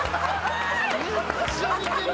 ・めっちゃ似てる！